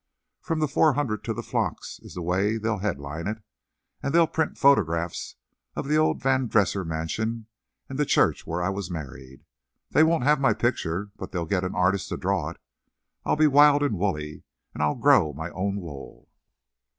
'From the Four Hundred to the Flocks' is the way they'll headline it, and they'll print photographs of the old Van Dresser mansion and the church where I was married. They won't have my picture, but they'll get an artist to draw it. I'll be wild and woolly, and I'll grow my own wool."